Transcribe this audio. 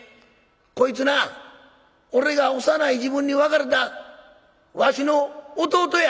こいつな俺が幼い時分に別れたわしの弟や」。